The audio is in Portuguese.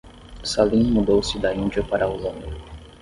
Salim mudou-se da Índia para a Holanda.